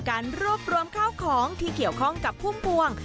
การรวบรวมข้าวของที่เกี่ยวข้องกับพุ่มพวง